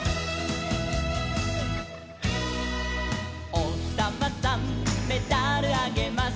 「おひさまさんメダルあげます」